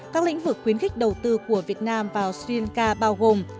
các lĩnh vực khuyến khích đầu tư của việt nam vào sri lanka bao gồm